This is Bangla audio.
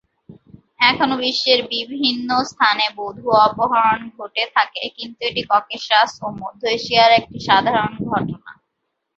এখনও বিশ্বের বিভিন্ন স্থানে বধূ অপহরণ ঘটে থাকে, কিন্তু এটি ককেসাস ও মধ্য এশিয়ায় একটি সাধারণ ঘটনা।